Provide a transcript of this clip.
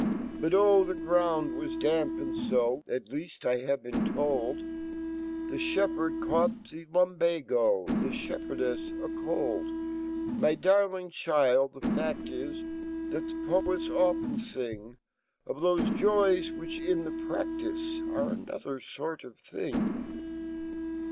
But,O! fhc gro u nd . was damp, an< At leaf! , I have been Told , The fhepherd caught fhe lumbago, The fhepherdefr,a cold, ^\y darling Child I fhe fact It " That fhe Poet* often flng Of fhose joys whfch in fhc practice Are anoflker fort of fhing.